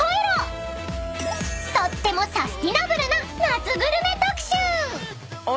［とってもサスティナブルな夏グルメ特集］